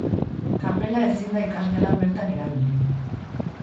Kapela ezin da ikasgelan bertan erabili.